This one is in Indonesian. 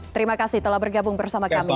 terima kasih telah bergabung bersama kami